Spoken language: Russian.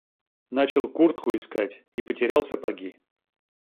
Начал куртку искать и потерял сапоги.